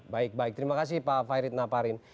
baik baik terima kasih pak fairid naparin